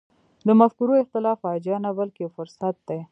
د مفکورو اختلاف فاجعه نه بلکې یو فرصت دی.